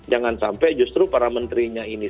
jangan sampai justru para menterinya ini